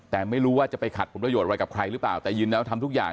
แต่ไม่รู้ว่าจะไปขัดผลประโยชน์อะไรกับใครหรือเปล่าแต่ยินแล้วทำทุกอย่าง